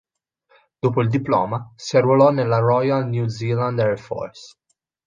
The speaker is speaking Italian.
Dopo il diploma si arruolò Royal New Zealand Air Force.